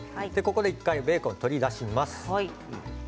１回ベーコンを取り出します。